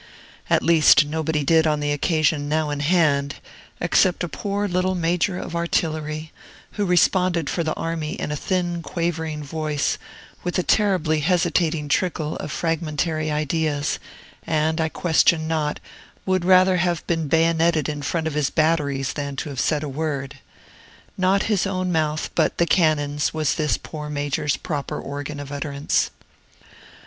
At least, nobody did on the occasion now in hand, except a poor little Major of Artillery, who responded for the Army in a thin, quavering voice, with a terribly hesitating trickle of fragmentary ideas, and, I question not, would rather have been bayoneted in front of his batteries than to have said a word. Not his own mouth, but the cannon's, was this poor Major's proper organ of utterance.